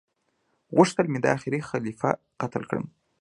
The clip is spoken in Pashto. غوښتل مي دا اخيري خليفه قتل کړم